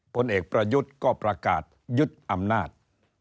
ผลเอกประยุทธ์ก็ประกาศยึดอำนาจ